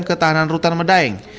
ke tahanan rutan medaeng